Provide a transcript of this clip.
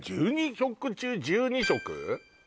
食中１２食？